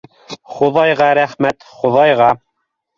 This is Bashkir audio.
Хоҙайға рәхмәт, Хоҙайға!